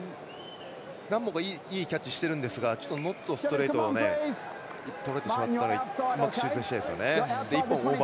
何度かいいキャッチしてるんですがノットストレートをとられてしまったのはうまく修正したいですよね。